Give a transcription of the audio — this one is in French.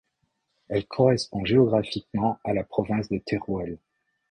Elle correspond géographiquement à la province de Teruel.